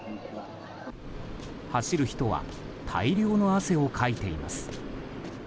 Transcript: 走る人は大量の汗をかいています。